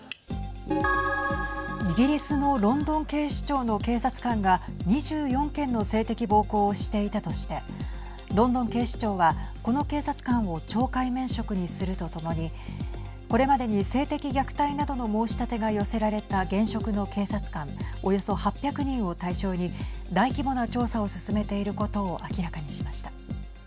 イギリスのロンドン警視庁の警察官が２４件の性的暴行をしていたとしてロンドン警視庁はこの警察官を懲戒免職にするとともにこれまでに性的虐待などの申し立てが寄せられた現職の警察官およそ８００人を対象に大規模な調査を進めていることを明らかにしました。